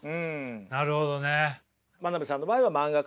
なるほどね。